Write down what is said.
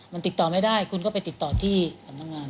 มันติดต่อไม่ได้คุณก็ไปติดต่อที่สำนักงาน